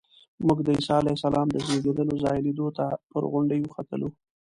موږ د عیسی علیه السلام د زېږېدلو ځای لیدو ته پر غونډۍ وختلو.